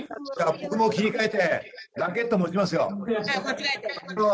僕も切り替えてラケット持ちますよ。